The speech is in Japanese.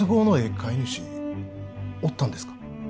買い主おったんですか？